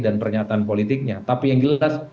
dan pernyataan politiknya tapi yang jelas